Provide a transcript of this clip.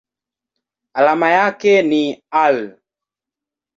Alama yake ni Al.